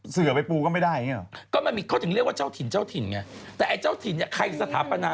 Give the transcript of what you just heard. แต่อันนี้เอามาปูเองหรือเปล่าไม่ได้ไปเช่าของเขารือเปล่า